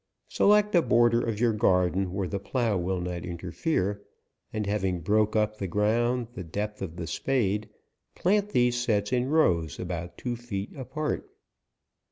Select a border of your garden, where the plough will not interfere, and ha broke up the ground the depth of the spade, plant these sets in rows, about two feet apart.